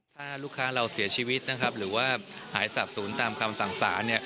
ถ้าลูกค้าเราเสียชีวิตหรือหายสาบศูนย์ตามคำสั่งสาร